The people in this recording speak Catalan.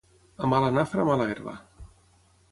A mala nafra, mala herba.